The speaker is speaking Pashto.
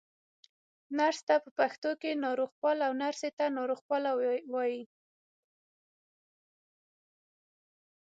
نرس ته په پښتو کې ناروغپال، او نرسې ته ناروغپاله وايي.